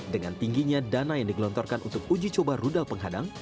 dengan tingginya dana yang digelontorkan untuk uji coba rudal penghadang